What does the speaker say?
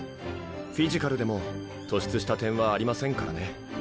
フィジカルでも突出した点はありませんからね。